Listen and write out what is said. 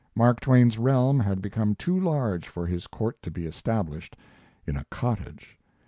Mark Twain's realm had become too large for his court to be established in a cottage.